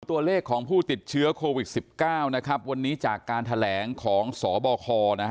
ตัวเลขของผู้ติดเชื้อโควิด๑๙วันนี้จากการแถลงของสบค